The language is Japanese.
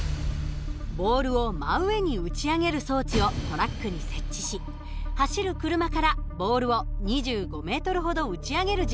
ボールを真上に打ち上げる装置をトラックに設置し走る車からボールを２５ｍほど打ち上げる実験をしました。